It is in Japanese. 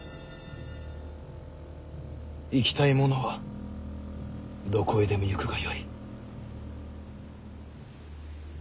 行きたい者はどこへでも行くがよい。